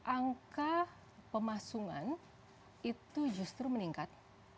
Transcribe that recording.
angka pemasungan itu justru meningkat